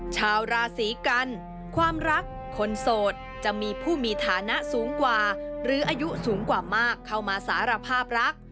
ชาวราศีกันความรักคนโสดจะมีผู้มีฐานะสูงกว่าหรืออายุสูงกว่ามากเข้ามาสารภาพรัก